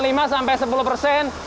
ini yang di box akan disiapkan untuk dijual